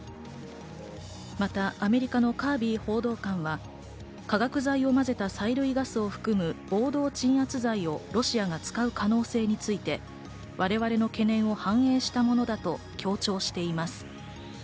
またアメリカのカービー報道官は化学剤を混ぜた催涙ガスを含む暴動鎮圧剤をロシアが使う可能性について、我々の懸念を反映したものだと強調しています。